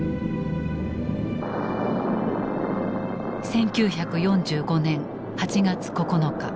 １９４５年８月９日。